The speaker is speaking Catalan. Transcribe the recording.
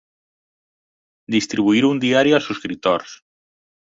Distribuir un diari als subscriptors.